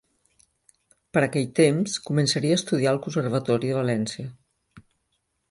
Per aquell temps, començaria a estudiar al Conservatori de València.